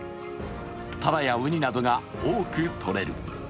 タラやウニなどが多く取れる。